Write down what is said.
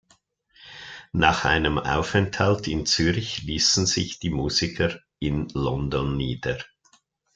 Nach einem Aufenthalt in Zürich ließen sich die Musiker in London nieder.